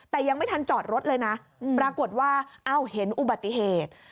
แต่ยังไม่ทันจอดรถเลยนะปรากฏว่าอ้าวเห็นอุบัติเหตุ